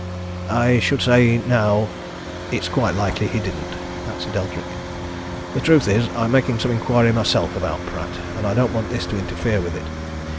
"I should say now it's quite likely he didn't," answered Eldrick. "The truth is, I'm making some inquiry myself about Pratt and I don't want this to interfere with it.